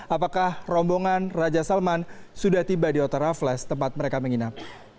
apakah rombongan raja salman sudah tiba di otara flash tempat mereka menginap